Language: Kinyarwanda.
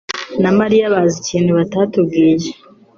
na Mariya bazi ikintu batatubwiye.